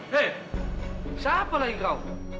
hei siapalah engkau